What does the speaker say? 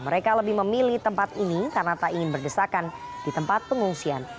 mereka lebih memilih tempat ini karena tak ingin berdesakan di tempat pengungsian